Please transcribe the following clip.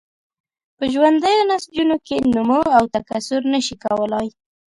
په ژوندیو نسجونو کې نمو او تکثر نشي کولای.